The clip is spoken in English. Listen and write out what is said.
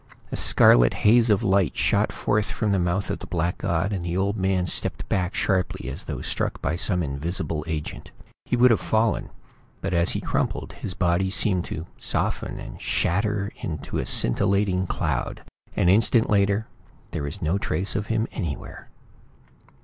A scarlet haze of light shot forth from the mouth of the black god, and the old man stepped back sharply as though struck by some invisible agent. He would have fallen, but as he crumpled, his body seemed to soften and shatter into a scintillating cloud. An instant later there was no trace of him anywhere.